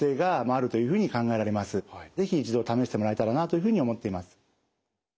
是非一度試してもらえたらなというふうに思っています。